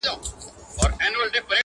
په توره شپه کي د رڼا د کاروان لاري څارم-